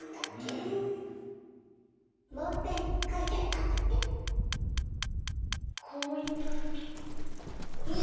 ボールペンに書いてあったんだって？に？